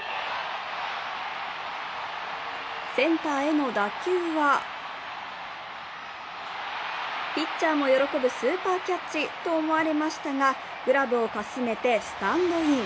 センターへの打球はピッチャーも喜ぶスーパーキャッチと思われましたが、グラブをかすめてスタンドイン。